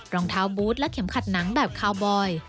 รองเท้าบูธและเข็มขัดหนังแบบคาวบอย